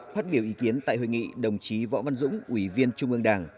phát biểu ý kiến tại hội nghị đồng chí võ văn dũng ủy viên trung ương đảng